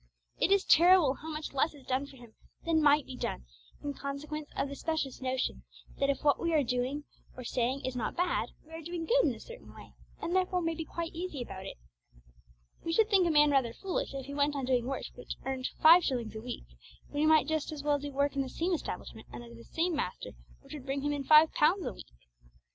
It is terrible how much less is done for Him than might be done, in consequence of the specious notion that if what we are doing or saying is not bad, we are doing good in a certain way, and therefore may be quite easy about it. We should think a man rather foolish if he went on doing work which earned five shillings a week, when he might just as well do work in the same establishment and under the same master which would bring him in five pounds a week.